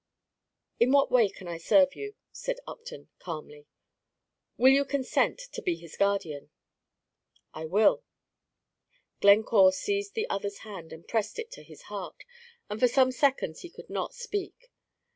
"In what way can I serve you?" said Upton, calmly. "Will you consent to be his guardian?" "I will." Glencore seized the other's hand, and pressed it to his heart, and for some seconds he could not speak.